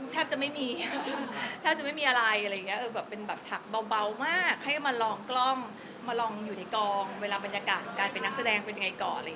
แทบจะไม่มีแทบจะไม่มีอะไรอะไรอย่างนี้แบบเป็นแบบฉักเบามากให้มาลองกล้องมาลองอยู่ในกองเวลาบรรยากาศการเป็นนักแสดงเป็นยังไงก่อน